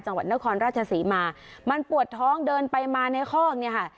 จังหวัดนครราชศรีมามันปวดท้องเดินไปมาในคอกเนี่ยค่ะ